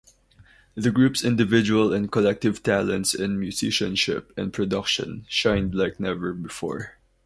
The group's individual and collective talents in musicianship and production shined like never before.